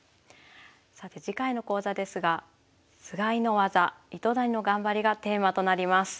さて次回の講座ですが「菅井の技糸谷の頑張り」がテーマとなります。